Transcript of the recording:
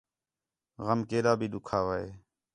غم کیݙا بھی ݙُکھا وے